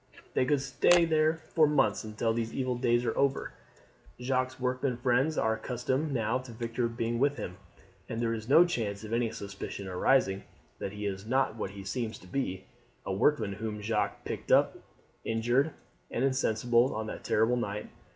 They could stay there for months until these evil days are over. Jacques' workmen friends are accustomed now to Victor being with him, and there is no chance of any suspicion arising that he is not what he seems to be, a workman whom Jacques picked up injured and insensible on that terrible night.